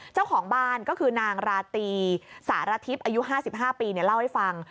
เจ้าของบ้านก็คือนางราตรีสารทิพย์อายุ๕๕ปีเล่าให้ฟัง